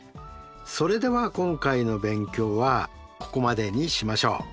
それでは今回の勉強はここまでにしましょう。